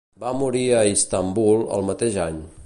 Va morir a Istanbul el mateix any.